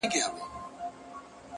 له دغي خاوري مرغان هم ولاړل هجرت کوي ـ